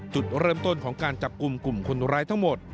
จุดเริ่มต้นของการจับกลุ่มกลุ่มคนร้ายทั้งหมด